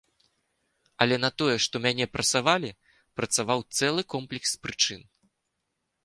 Але на тое, што мяне прасавалі, працаваў цэлы комплекс прычын.